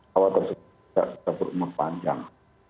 kalau tersebut tidak berumah panjang